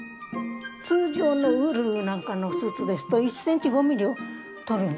通常のウールなんかのスーツですと１センチ５ミリを取るんです。